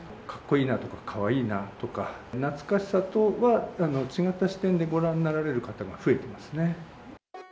かっこいいなとか、かわいいなとか、懐かしさとは違った視点でご覧になられる方が増えてますね。